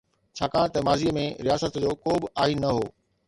ڇاڪاڻ ته ماضي ۾ رياست جو ڪوبه آئين نه هو.